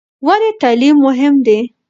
ولې تعلیم مهم دی؟